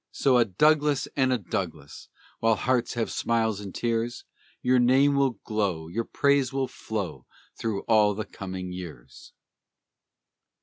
So a Douglas and a Douglas! While hearts have smiles and tears, Your name will glow, your praise shall flow, Through all the coming years.